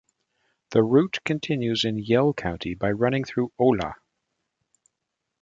The route continues in Yell County by running through Ola.